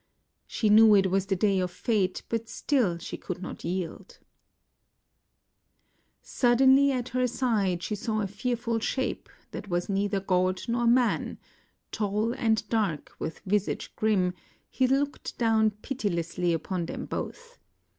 She knew it was the day of fate, but still she could not yield. 19 IXDL\ Suddenly at her side she saw a fearful shape, that was neither god nor man — tall and dark with \ isage grim, he looked down pitilessly upon them both.